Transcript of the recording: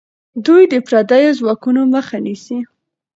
دوی د پردیو ځواکونو مخه نیسي.